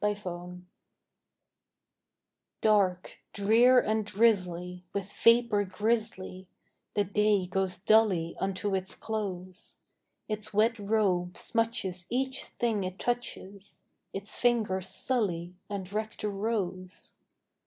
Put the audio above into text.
A WET DAY Dark, drear, and drizzly, with vapor grizzly, The day goes dully unto its close; Its wet robe smutches each thing it touches, Its fingers sully and wreck the rose.